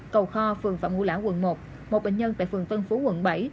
cầu kho phường phạm ngũ lão quận một một bệnh nhân tại phường tân phú quận bảy